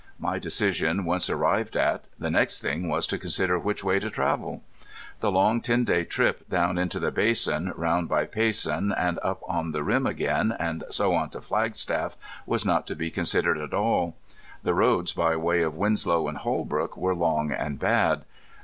My decision once arrived at, the next thing was to consider which way to travel. The long ten day trip down into the basin, round by Payson, and up on the rim again, and so on to Flagstaff was not to be considered at all. The roads by way of Winslow and Holbrook were long and bad.